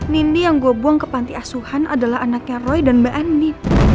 nini yang gue buang ke panti asuhan adalah anaknya roy dan mbak andi